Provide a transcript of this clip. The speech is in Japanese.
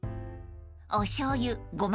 ［おしょうゆゴマ